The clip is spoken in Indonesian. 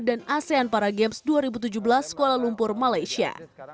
dan asean para games dua ribu tujuh belas kuala lumpur malaysia